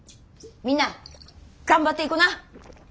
みんな頑張っていこな。